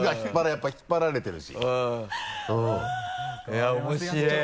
いや面白い。